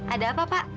ada apa pak